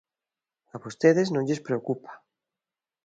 A vostedes non lles preocupa.